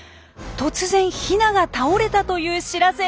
突然ヒナが倒れたという知らせ！